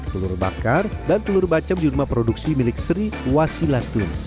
telur bakar dan telur bacem di rumah produksi milik sri wasilatun